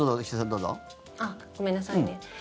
ごめんなさいね。